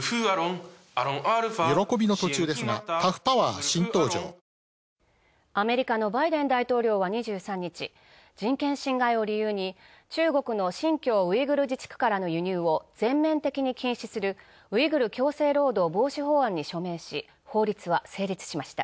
こうした状況をどう改善していくべきかアメリカのバイデン大統領は２３日、人権侵害を理由に中国の新疆ウイグル自治区からの輸入を全面的に禁止する、ウイグル強制労働防止法案に署名し法律は成立しました。